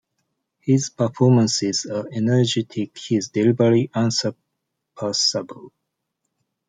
His performances are energetic, his delivery unsurpassable.